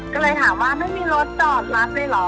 ก็เลยถามว่าไม่มีรถจอดรับเลยเหรอ